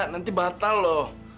nanti batal loh